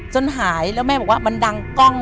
จนหายแล้วแม่บอกว่ามันดังกล้อง